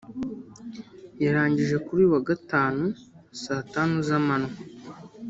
yarangije kuri uyu wa Gatanu saa tanu z’amanywa